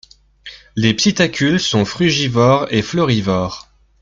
Les psittacules sont frugivores et florivores.